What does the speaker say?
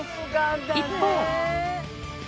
一方。